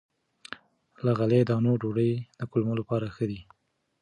له غلې- دانو ډوډۍ د کولمو لپاره ښه ده.